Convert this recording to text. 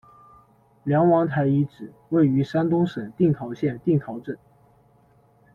梁王台遗址，位于山东省定陶县定陶镇。